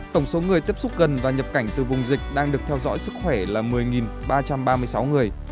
tổng số người tiếp xúc gần và nhập cảnh từ vùng dịch đang được theo dõi sức khỏe là một mươi ba trăm ba mươi sáu người